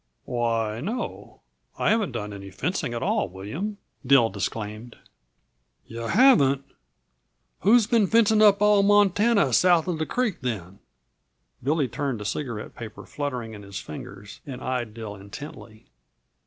"Why, no. I haven't done any fencing at all, William," Dill disclaimed. "Yuh haven't? Who's been fencing up all Montana south uh the creek, then?" Billy turned, a cigarette paper fluttering in his fingers, and eyed Dill intently.